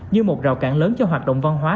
như một rào cản lớn cho hoạt động văn hóa